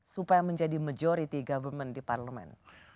supaya menjadi majority government di parlemen